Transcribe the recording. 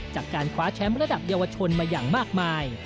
จากการคว้าแชมป์ระดับเยาวชนมาอย่างมากมาย